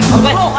aduh aduh stop